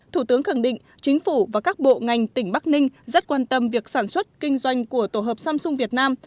thủ tướng khẳng định chính phủ và các bộ ngành tỉnh bắc ninh rất quan tâm việc sản xuất kinh doanh của tổ hợp samsung việt nam